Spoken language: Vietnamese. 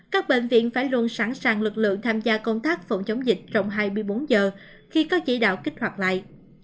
các bệnh viện phải luôn sẵn sàng lực lượng tham gia công tác phòng chống dịch trong hai mươi bốn giờ khi có chỉ đạo kích hoạt lại